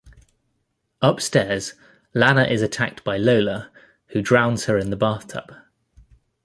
Upstairs, Lana is attacked by Lola, who drowns her in the bathtub.